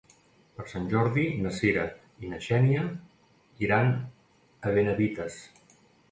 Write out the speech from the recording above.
Per Sant Jordi na Cira i na Xènia iran a Benavites.